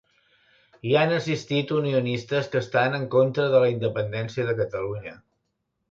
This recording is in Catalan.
Hi han assistit unionistes que estan en contra de la independència de Catalunya.